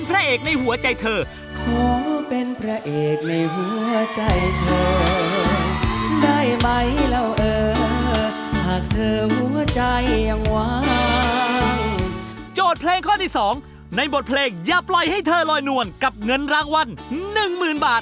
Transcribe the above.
ร้องได้ให้ร้าง